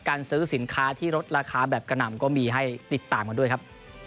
การซื้อสินค้าที่ลดราคาแบบกระหน่ำก็มีให้ติดตามกันด้วยครับ